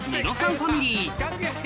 ファミリー